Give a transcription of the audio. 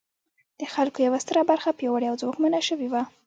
د خلکو یوه ستره برخه پیاوړې او ځواکمنه شوې وه.